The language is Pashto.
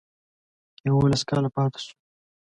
یوولس کاله پاته شو.